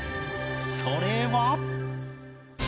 それは。